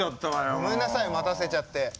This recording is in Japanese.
ごめんなさい待たせちゃって。